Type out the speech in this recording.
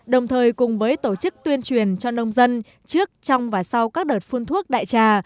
đồng thời cùng với tổ chức tuyên truyền cho nông dân trước trong và sau các đợt phun thuốc đại trà